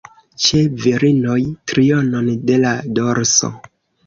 Ĉe virinoj, trionon de la dorso.